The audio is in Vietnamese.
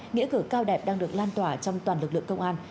nghĩa cử cao đẹp đang được lan tỏa trong toàn lực lượng công an